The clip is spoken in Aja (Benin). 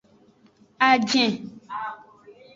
Ajin.